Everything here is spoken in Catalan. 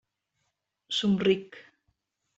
Somric.